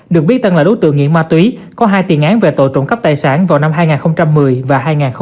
được biết tân là đối tượng nghiện ma túy có hai tiền án về tội trộm cắp tài sản vào năm hai nghìn một mươi và hai nghìn một mươi sáu